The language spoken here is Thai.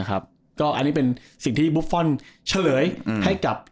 อันนี้เป็นสิ่งที่บุฟฟอลเฉลยให้กับ